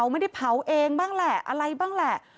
ไม่ได้เผาเองบ้างแหละอะไรบ้างแหละ